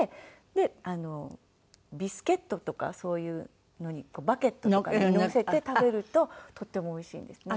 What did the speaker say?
でビスケットとかそういうのにバゲットとかにのせて食べるととってもおいしいんですね。